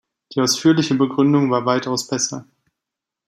Die ausführliche Begründung war weitaus besser.